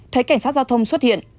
thấy cảnh sát giao thông xuất hiện